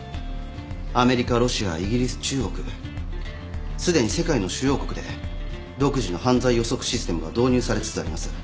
アメリカロシアイギリス中国すでに世界の主要国で独自の犯罪予測システムが導入されつつあります。